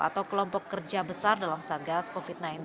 atau kelompok kerja besar dalam satgas covid sembilan belas